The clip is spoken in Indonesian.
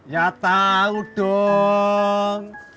ya tau dong